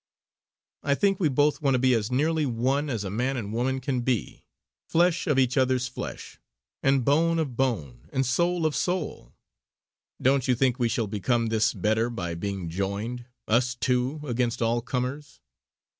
I think we both want to be as nearly one as a man and a woman can be flesh of each other's flesh, and bone of bone, and soul of soul. Don't you think we shall become this better by being joined, us two, against all comers.